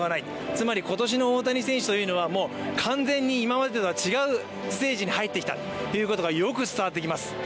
つまり今年の大谷選手というのは完全に今までとは違うステージに入ってきたということがよく伝わってきます。